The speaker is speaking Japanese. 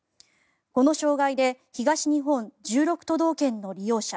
この障害で東日本１６都道県の利用者